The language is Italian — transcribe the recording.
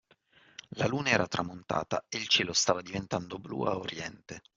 La Luna era tramontata e il cielo stava diventando blu a Oriente